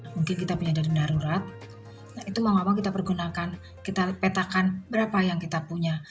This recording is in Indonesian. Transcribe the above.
mungkin kita punya dana darurat itu mau gak mau kita pergunakan kita petakan berapa yang kita punya